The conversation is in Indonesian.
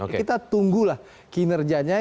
kita tunggulah kinerjanya